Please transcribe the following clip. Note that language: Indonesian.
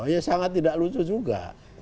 ya sangat tidak lucu juga